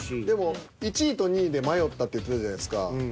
でも１位と２位で迷ったって言ってたじゃないですか。